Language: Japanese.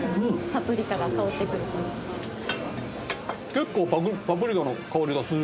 結構パプリカの香りがする。